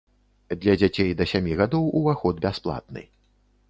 Для дзяцей да сямі гадоў уваход бясплатны.